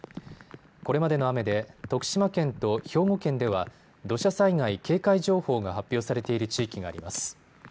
これまでの雨で徳島県と兵庫県では土砂災害警戒情報が発表されている地域があります。